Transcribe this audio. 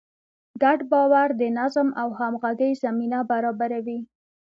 ګډ باور د نظم او همغږۍ زمینه برابروي.